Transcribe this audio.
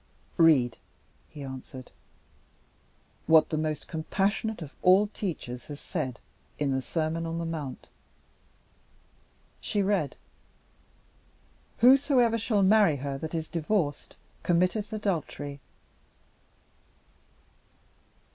"Read," he answered, "what the most compassionate of all Teachers has said, in the Sermon on the Mount." She read: "Whosoever shall marry her that is divorced committeth adultery."